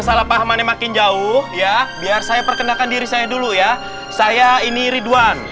kesalahpahamannya makin jauh ya biar saya perkenalkan diri saya dulu ya saya ini ridwan